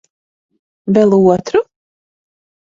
Vēl otru?